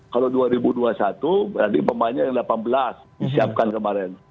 kalau dua ribu dua puluh satu berarti pemainnya yang delapan belas disiapkan kemarin